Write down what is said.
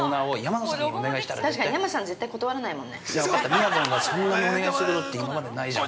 ◆みやぞんがそんなにお願いすることって今までないじゃん。